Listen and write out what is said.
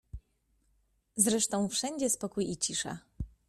"Zresztą wszędzie spokój i cisza."